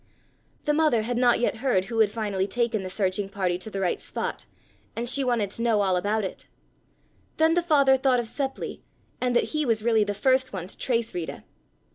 The mother had not yet heard who had finally taken the searching party to the right spot, and she wanted to know all about it. Then the father thought of Seppli and that he was really the first one to trace Rita.